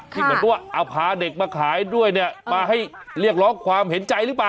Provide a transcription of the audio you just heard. เหมือนว่าเอาพาเด็กมาขายด้วยเนี่ยมาให้เรียกร้องความเห็นใจหรือเปล่า